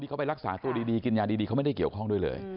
เขาไปรักษาตัวดีกินยาดีเขาไม่ได้เกี่ยวข้องด้วยเลย